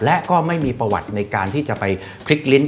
และก็ไม่มีประวัติในการที่จะไปพลิกลิ้น